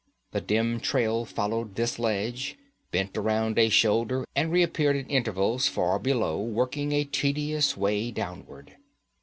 The dim trail followed this ledge, bent around a shoulder and reappeared at intervals far below, working a tedious way downward.